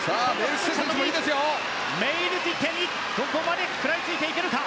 メイルティテにどこまで食らいついていけるか。